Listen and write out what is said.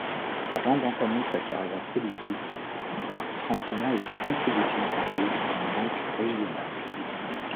Avant d'entamer sa carrière politique, Marc Francina était conseiller financier dans une banque régionale.